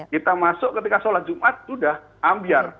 kita masuk ketika sholat jumat sudah ambiar